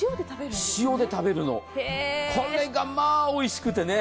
塩で食べるの、これがまぁ、おいしくてね。